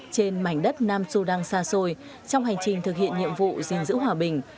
trên mảnh đất nam sudan xa xôi trong hành trình thực hiện nhiệm vụ gìn giữ hòa bình